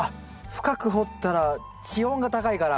深く掘ったら地温が高いから。